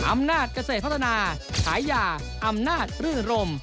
อำนาจเกษตรพัฒนาฉายาอำนาจรื่นรม